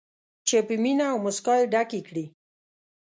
چې په مینه او موسکا یې ډکې کړي.